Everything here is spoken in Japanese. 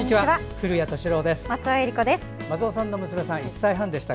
古谷敏郎です。